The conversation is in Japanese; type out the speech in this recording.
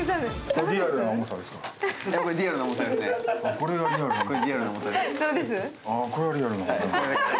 これがリアルな重さか。